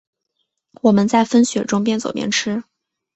我们在风雪中边走边吃